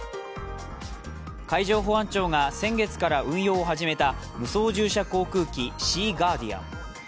海上保安庁が先月から運用を始めた無操縦者航空機シーガーディアン。